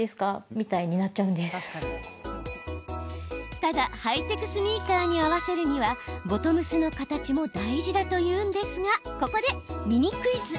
ただ、ハイテクスニーカーに合わせるには、ボトムスの形も大事だというんですがここでミニクイズ。